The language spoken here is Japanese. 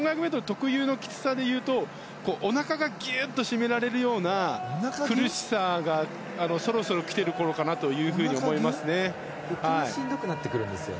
１５００ｍ特有のきつさでいうとおなかがギュッと締められるような苦しさがそろそろ来ているころかなと思いますね。